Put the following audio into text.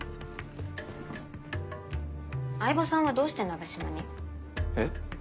饗庭さんはどうして「なべしま」に？えっ？